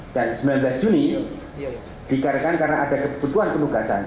dan sembilan belas juni dikarekan karena ada kebutuhan kemugasan